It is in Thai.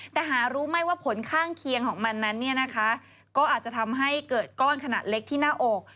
แต่หารู้ไหมว่าผลข้างเคียงของมันนั้นเนี่ยนะคะก็อาจจะทำให้เกิดก้อนขนาดเล็กที่หน้าอก